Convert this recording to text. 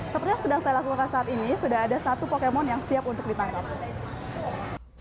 seperti yang sedang saya lakukan saat ini sudah ada satu pokemon yang siap untuk ditangkap